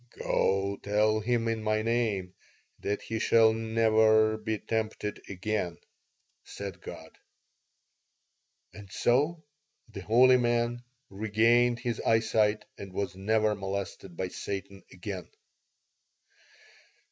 "'Go tell him in My name that he shall never be tempted again,' said God "And so the holy man regained his eyesight and was never molested by Satan again."